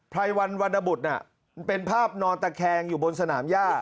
รายวันวันนบุตรเป็นภาพนอนตะแคงอยู่บนสนามย่า